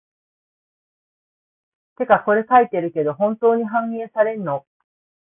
てかこれ書いてるけど、本当に反映されんの？